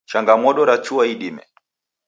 Changamodo rachua idime